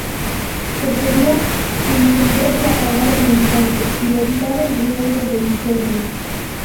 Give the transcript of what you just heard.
Se podía encender y apagar al instante, y evitar el riesgo de incendio.